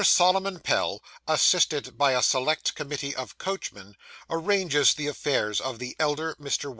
SOLOMON PELL, ASSISTED BY A SELECT COMMITTEE OF COACHMEN, ARRANGES THE AFFAIRS OF THE ELDER MR.